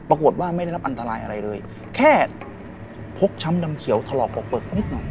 ปรากฏว่าไม่ได้รับอันตรายอะไรเลยแค่พกช้ำดำเขียวถลอกปกปึกนิดหน่อย